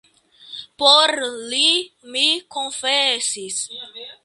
Por li mi konfesis.